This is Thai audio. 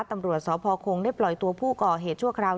ตำรวจสพคงได้ปล่อยตัวผู้ก่อเหตุชั่วคราว